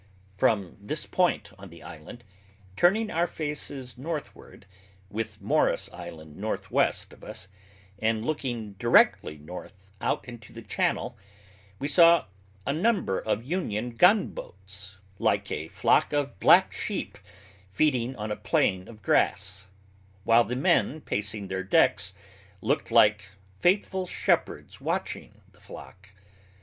From this point on the island, turning our faces northward, with Morris Island northwest of us, and looking directly north out into the channel, we saw a number of Union gun boats, like a flock of black sheep feeding on a plain of grass; while the men pacing their decks looked like faithful shepherds watching the flock.